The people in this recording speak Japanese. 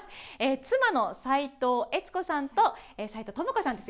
妻の斉藤悦子さんと齋藤友子さんです。